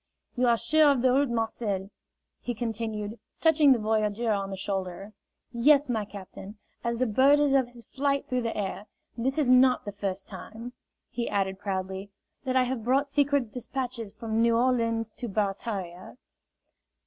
"You are sure of the route, Marcel?" he continued, touching the voyageur on the shoulder. "Yes, my captain. As the bird is of his flight through the air. This is not the first time," he added proudly, "that I have brought secret despatches from New Orleans to Barataria."